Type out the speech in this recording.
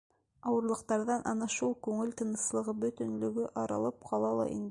Ауырлыҡтарҙан ана шул күңел тыныслығы, бөтөнлөгө аралап ҡала ла инде.